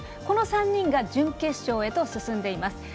この３人が準決勝へと進んでいます。